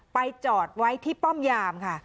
จอดไว้ที่ป้อมยามค่ะ